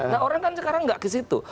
nah orang kan sekarang nggak ke situ